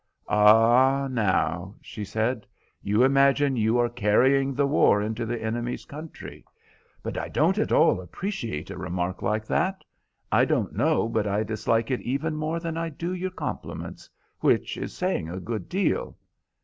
"Ah, now," she said, "you imagine you are carrying the war into the enemy's country. But I don't at all appreciate a remark like that. I don't know but I dislike it even more than I do your compliments, which is saying a good deal."